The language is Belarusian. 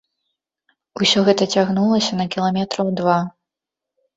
Усё гэта цягнулася на кіламетраў два.